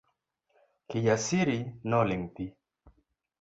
Kijasiri noling thii.